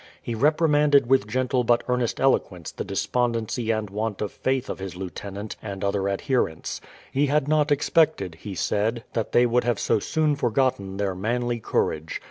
He reprimanded with gentle but earnest eloquence the despondency and want of faith of his lieutenant and other adherents. He had not expected, he said, that they would have so soon forgotten their manly courage.